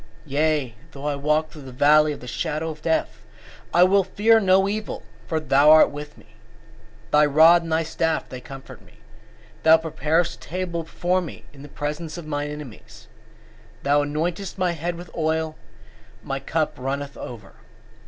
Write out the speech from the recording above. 23:4 Yea, though I walk through the valley of the shadow of death, I will fear no evil: for thou art with me; thy rod and thy staff they comfort me. 23:5 Thou preparest a table before me in the presence of mine enemies: thou anointest my head with oil; my cup runneth over.